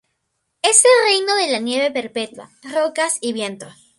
Es el reino de la nieve perpetua, rocas y viento.